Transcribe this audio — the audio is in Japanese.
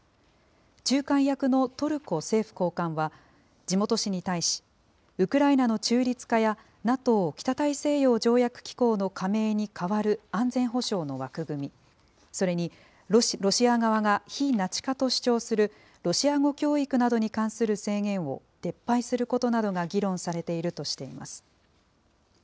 仲介役のトルコ政府高官は、地元紙に対し、ウクライナの中立化やＮＡＴＯ・北大西洋条約機構の加盟に代わる安全保障の枠組み、それにロシア側が非ナチ化と主張するロシア語教育などに関する制限を撤廃することなどが議論されているとしています。